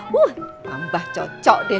wuh tambah cocok deh